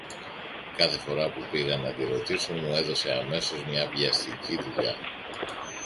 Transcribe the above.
Κάθε φορά που πήγα να τη ρωτήσω μου έδωσε αμέσως μια βιαστική δουλειά.